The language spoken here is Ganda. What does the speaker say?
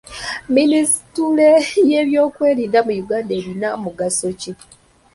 Minisitule y'ebyokwerinda mu Uganda erina mugaso ki?